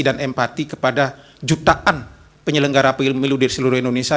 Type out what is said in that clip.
dan empati kepada jutaan penyelenggara pemilu di seluruh indonesia